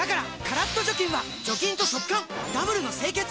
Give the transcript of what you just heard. カラッと除菌は除菌と速乾ダブルの清潔！